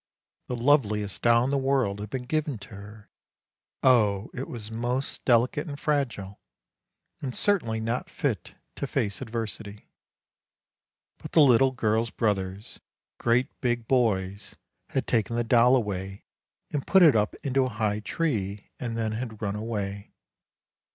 The loveliest doll in the world had been given to her. Oh, it was most delicate and fragile, and certainly not fit to face adversity. But the little girl's brothers, great big boys, had taken the doll away and put it up into a high tree, and then had run away.